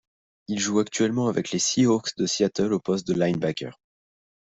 Il joue actuellement avec les Seahawks de Seattle au poste de linebacker.